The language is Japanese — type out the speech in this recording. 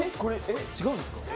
違うんですか？